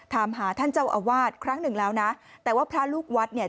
ถามหาท่านเจ้าอาวาสครั้งหนึ่งแล้วนะแต่ว่าพระลูกวัดเนี่ย